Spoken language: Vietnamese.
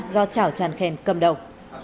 do chảo tràn khen cầm đầu